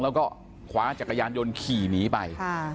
แล้วก็คว้าจักรยานยนต์ขี่หนีไป